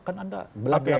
kan anda belakang belakang